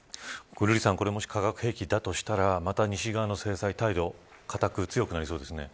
瑠麗さんもし化学兵器だとしたらまた西側の制裁態度硬く、強くなりそうですね。